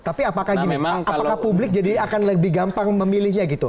tapi apakah publik jadi akan lebih gampang memilihnya gitu